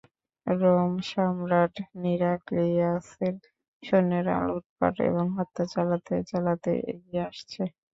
Rome সম্রাট হিরাক্লিয়াসের সৈন্যরা লুটপাট এবং হত্যা চালাতে চালাতে এগিয়ে আসছে।